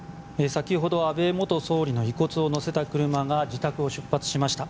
先ほど安倍元総理の遺骨を乗せた車が自宅を出発しました。